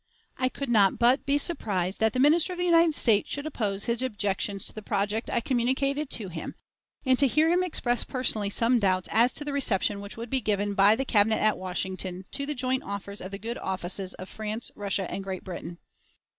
I could not but be surprised that the Minister of the United States should oppose his objections to the project I communicated to him, and to hear him express personally some doubts as to the reception which would be given by the Cabinet at Washington to the joint offers of the good offices of France, Russia, and Great Britain."